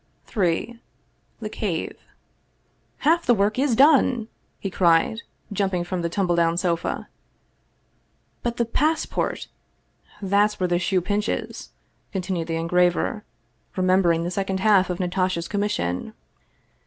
Ill THE CAVE " HALF the work is done !" he cried, jumping from the tumble down sofa. " But the passport ? There's where the shoe pinches," continued the engraver, remembering the second half of Natasha's commission.